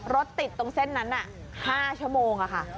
รถติดตรงเส้นนั้น๕ชั่วโมงค่ะ